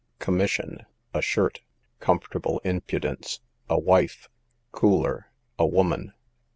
Commission, a shirt. Comfortable impudence, a wife. Cooler, a woman.